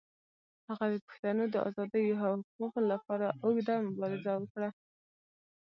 هغه د پښتنو د آزادۍ او حقوقو لپاره اوږده مبارزه وکړه.